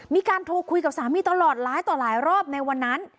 มีการโทรคุยกับสามีตลอดหลายต่อหลายรอบในวันนั้น